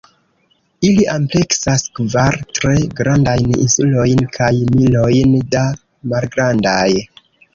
Ili ampleksas kvar tre grandajn insulojn, kaj milojn da malgrandaj.